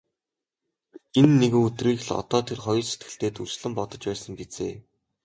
Энэ нэгэн өдрийг л одоо тэр хоёр сэтгэлдээ дүрслэн бодож байсан биз ээ.